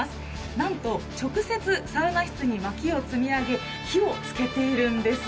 なんと、直接サウナ室にまきを積み上げ火をつけているんです。